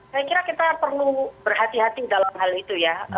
saya kira kita perlu berhati hati dalam hal itu ya